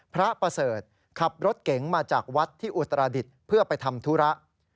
พระประเสริฐขับรถเก๋งมาจากวัดที่อุตรดิษฐ์เพื่อไปทำธุระ